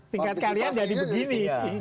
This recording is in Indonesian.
tingkat kalian jadi begini